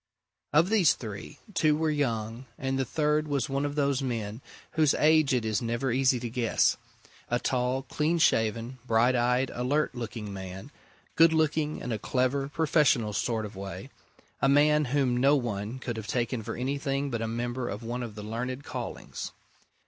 Of these three, two were young, and the third was one of those men whose age it is never easy to guess a tall, clean shaven, bright eyed, alert looking man, good looking in a clever, professional sort of way, a man whom no one could have taken for anything but a member of one of the learned callings.